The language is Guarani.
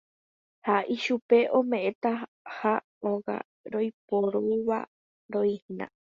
Ha ichupe ome'ẽtaha óga roiporuvaroína.